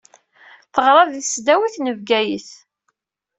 Teɣṛa di tesdawit n Bgayet.